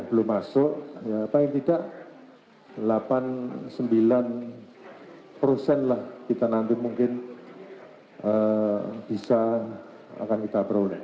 belum masuk ya apa yang tidak delapan sembilan persen lah kita nanti mungkin bisa akan kita perunding